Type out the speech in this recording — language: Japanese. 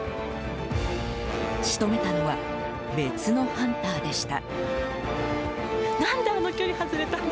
仕留めたのは別のハンターでした。